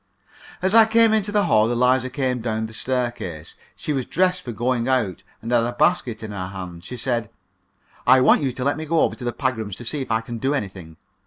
As I came into the hall, Eliza came down the staircase. She was dressed for going out, and had a basket in her hand. She said: "I want you to let me go over to the Pagrams to see if I can do anything.